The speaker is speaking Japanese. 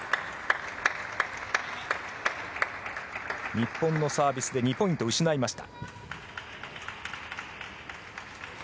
日本のサービスで２ポイント失いました。